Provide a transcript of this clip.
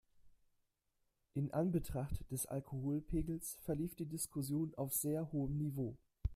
In Anbetracht des Alkoholpegels verlief die Diskussion auf sehr hohem Niveau.